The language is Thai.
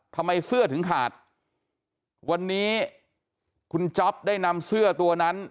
ทำไมเสื้อถึงขาดวันนี้คุณจ๊อปได้นำเสื้อตัวนั้น